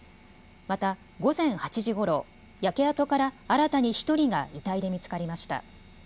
また、午前８時ごろ、焼け跡から新たに１人が遺体で見つかりました。